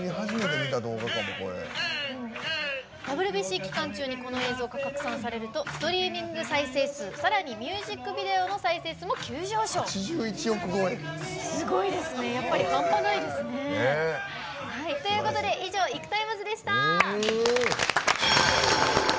ＷＢＣ期間中にこの映像が拡散されるとストリーミング再生数さらにミュージックビデオの再生数も急上昇。ということで以上「ＩＫＵＴＩＭＥＳ」でした。